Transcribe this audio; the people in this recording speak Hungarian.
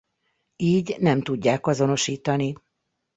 Így nem tudják azonosítani.